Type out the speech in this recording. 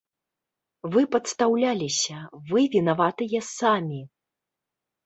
Вы падстаўляліся, вы вінаватыя самі.